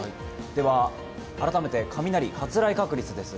では、改めて雷、発雷確率です。